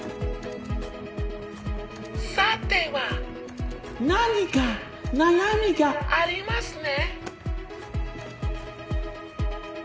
さては何か悩みがありますね？